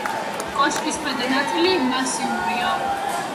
კოშკის ქვედა ნაწილი მასიურია.